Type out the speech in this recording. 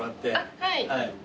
はい。